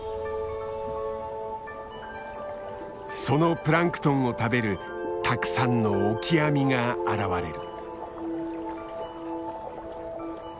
そのプランクトンを食べるたくさんのオキアミが現れる。